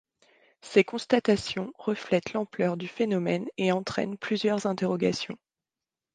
Ces constatations reflètent l'ampleur du phénomène et entraînent plusieurs interrogations.